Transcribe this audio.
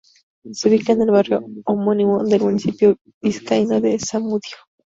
Se ubica en el barrio homónimo del municipio vizcaíno de Zamudio.